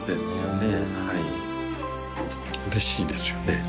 うれしいですよね。